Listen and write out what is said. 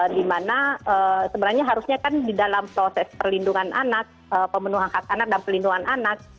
dimana sebenarnya harusnya kan di dalam proses perlindungan anak pemenuhan hak anak dan pelindungan anak